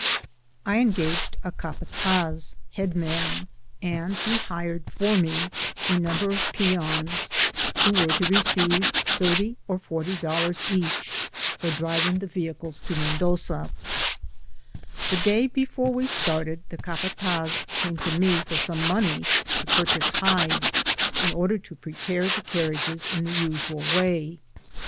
I engaged a capataz (head man), and he hired for me a number of peons, who were to receive thirty or forty dollars each for driving the vehicles to Mendoza. Digitized byGoogk M0D9 PF TBA.V1LLIK0. 48 The dsay befo^ w^ started, the capataz came to nie for some money to purchase hides, in order tp p«ep^ the carriages in the usual way.